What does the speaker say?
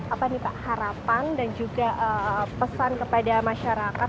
apa nih pak harapan dan juga pesan kepada masyarakat